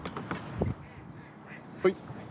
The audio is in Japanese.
はい。